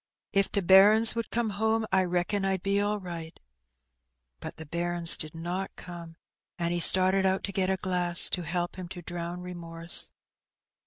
If t' bairns would come home, I reckon Fd be all right/' But the bairns did not come, and he started out to get a glass, to help him to drown remorse.